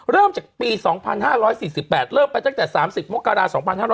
เริ่มจากปี๒๕๔๘เริ่มไปตั้งแต่๓๐มกราศ๒๕๖๐